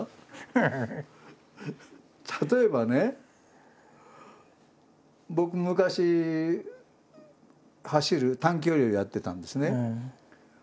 例えばね僕昔走る短距離をやってたんですね。